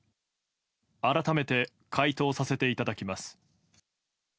改めて回答させていただきます。